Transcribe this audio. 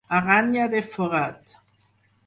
Aranya de forat.